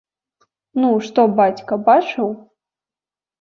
Ну, што бацька, бачыў?